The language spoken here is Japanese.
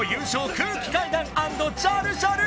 空気階段＆ジャルジャル